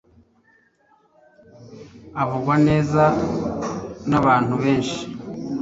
avugwa neza nabantu benshi